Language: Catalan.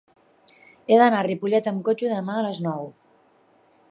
He d'anar a Ripollet amb cotxe demà a les nou.